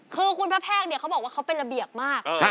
คือคุณพระแพกเนี่ยเขาบอกว่าเขาเป็นระเบียบมาก